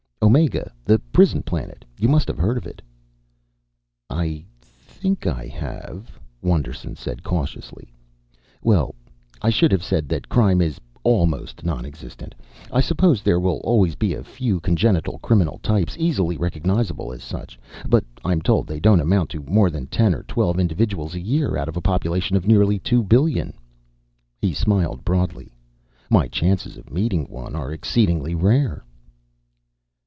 "Omega, the prison planet. You must have heard of it." "I think I have," Wonderson said cautiously. "Well, I should have said that crime is almost nonexistent. I suppose there will always be a few congenital criminal types, easily recognizable as such. But I'm told they don't amount to more than ten or twelve individuals a year out of a population of nearly two billion." He smiled broadly. "My chances of meeting one are exceedingly rare."